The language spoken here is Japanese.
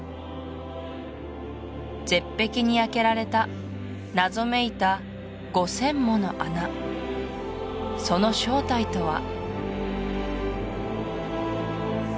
絶壁にあけられた謎めいた５０００もの穴その正体とは？